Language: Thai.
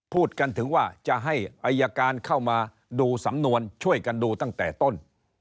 พูดกันถึงว่าจะให้อายการเข้ามาดูสำนวนช่วยกันดูตั้งแต่ต้น